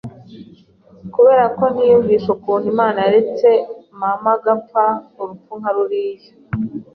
kubera ko ntiyumvisha ukuntu Imana yaretse mama agapfa urupfu nka ruriya,